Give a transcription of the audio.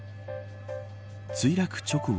墜落直後